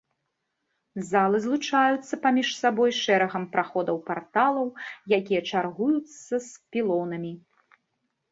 Залы злучаюцца паміж сабой шэрагам праходаў-парталаў, якія чаргуюцца з пілонамі.